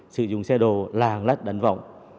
sử dụng xe đồ làng lách đánh vọng